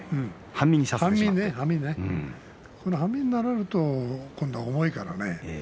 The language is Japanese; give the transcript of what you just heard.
半身になられると今度は重いからね。